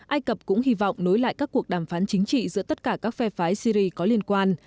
ai cập cũng hy vọng nối lại các cuộc đàm phán chính trị giữa tất cả các phe phái syri có liên quan